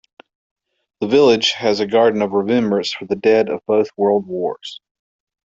The village has a Garden of Remembrance for the dead of both World Wars.